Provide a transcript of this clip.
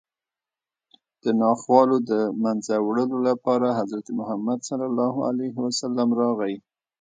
د ناخوالو د منځه وړلو لپاره حضرت محمد صلی الله علیه وسلم راغی